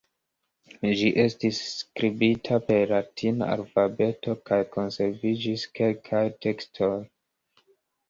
Ĝi estis skribita per latina alfabeto kaj konserviĝis kelkaj tekstoj.